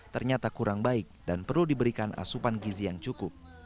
ternyata kurang baik dan perlu diberikan asupan gizi yang cukup